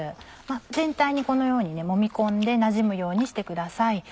全体にこのようにもみ込んでなじむようにしてください。